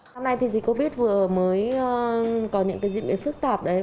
năm nay thì dịch covid vừa mới có những diễn biến phức tạp đấy